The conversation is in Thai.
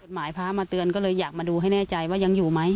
หมายพระมาเตือนก็เลยอยากมาดูให้แน่ใจว่ายังอยู่ไหม